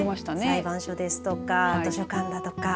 裁判所ですとか図書館だとか。